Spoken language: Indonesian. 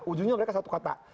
ujungnya mereka satu kata